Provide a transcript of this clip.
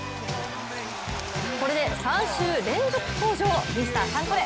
これで３週連続登場ミスターサンコレ